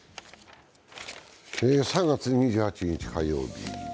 ３月２８日火曜日。